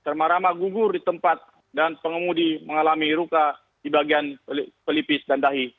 cerma rama gugur di tempat dan pengemudi mengalami luka di bagian pelipis dan dahi